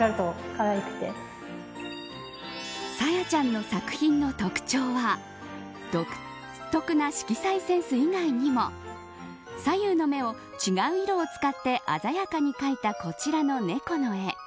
ＳＡＹＡちゃんの作品の特徴は独特な色彩センス以外にも左右の目を違う色を使って鮮やかに描いたこちらの猫の絵。